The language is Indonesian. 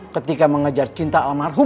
ketika mengajar cinta almarhum